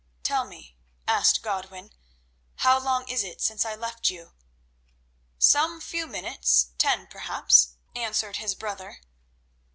"Tell me," asked Godwin, "how long is it since I left you?" "Some few minutes—ten perhaps," answered his brother.